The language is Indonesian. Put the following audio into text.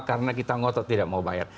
karena kita ngotot tidak mau bayar